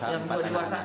yang dua dewasa